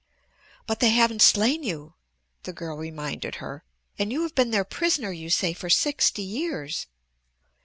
"But they haven't slain you," the girl reminded her, "and you have been their prisoner, you say, for sixty years."